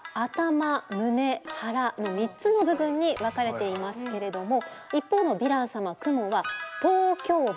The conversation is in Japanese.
「胸」「はら」の３つの部分に分かれていますけれども一方のヴィラン様クモは「頭胸部」